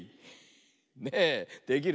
ねえできるね。